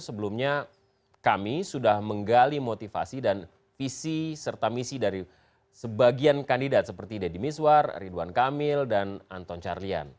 sebelumnya kami sudah menggali motivasi dan visi serta misi dari sebagian kandidat seperti deddy miswar ridwan kamil dan anton carlian